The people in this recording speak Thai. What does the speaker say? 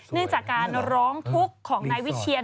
เนื่องจากการร้องทุกข์ของนายวิเชียน